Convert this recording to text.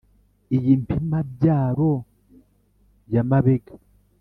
Iyi Mpima-byaro ya Mabega,